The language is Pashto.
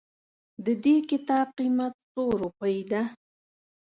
ددي کتاب قيمت څو روپئ ده